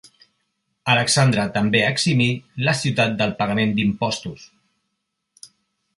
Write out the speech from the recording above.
Alexandre també eximí la ciutat del pagament d'impostos.